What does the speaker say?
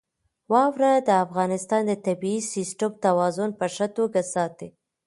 واوره د افغانستان د طبعي سیسټم توازن په ښه توګه ساتي.